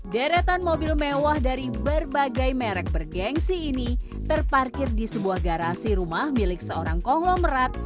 deretan mobil mewah dari berbagai merek bergensi ini terparkir di sebuah garasi rumah milik seorang konglomerat